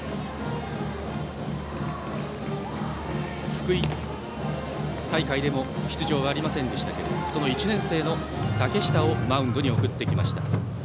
福井大会でも出場がありませんでしたが１年生の竹下をマウンドに送ってきました。